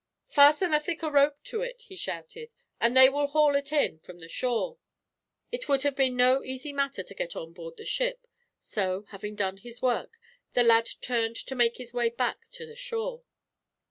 "Fasten a thicker rope to it," he shouted, "and they will haul it in, from the shore." It would have been no easy matter to get on board the ship; so, having done his work, the lad turned to make his way back to the shore.